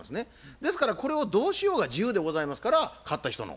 ですからこれをどうしようが自由でございますから買った人の。